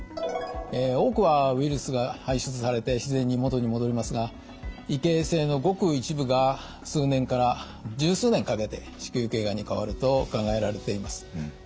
多くはウイルスが排出されて自然に元に戻りますが異形成のごく一部が数年から１０数年かけて子宮頸がんに変わると考えられています。